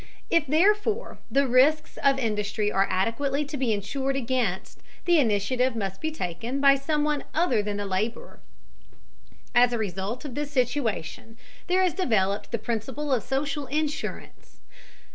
If, therefore, the risks of industry are adequately to be insured against, the initiative must be taken by some one other than the laborer. As a result of this situation, there has developed the principle of social insurance.